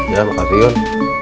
ya makasih yon